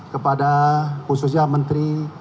kepada khususnya menteri